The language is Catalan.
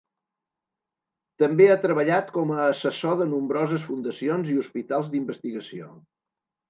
També ha treballat com a assessor de nombroses fundacions i hospitals d'investigació.